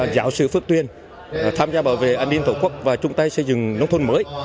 giáo sư phước tuyên tham gia bảo vệ an ninh tội quốc và chúng ta xây dựng nông thôn mới